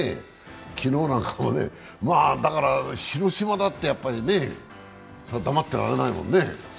昨日なんかも広島だってやっぱりね、黙ってられないもんね。